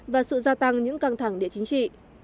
và sự gia tăng những căng thẳng địa chính trị